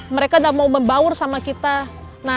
mereka tidak mau membaur sama kita